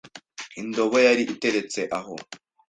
indobo yari iteretse aho.